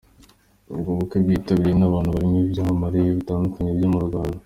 Ubwo bukwe bwitabiriwe n’abantu barimo ibyamamare bitandukanye byo mu Rwanda.